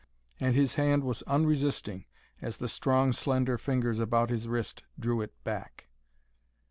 And his hand was unresisting as the strong, slender fingers about his wrist drew it back....